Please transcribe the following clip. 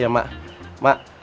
eh ya emak